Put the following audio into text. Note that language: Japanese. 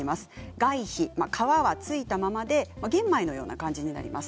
外皮は付いたままで玄米のような感じになります。